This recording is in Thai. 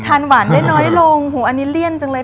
ทานหวานได้น้อยลงหูอันนี้เลี่ยนจังเลย